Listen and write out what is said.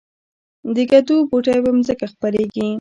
د کدو بوټی په ځمکه خپریږي